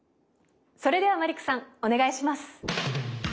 それではマリックさんお願いします！